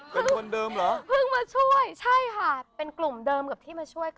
เป็นคนเดิมเหรอเพิ่งมาช่วยใช่ค่ะเป็นกลุ่มเดิมกับที่มาช่วยก็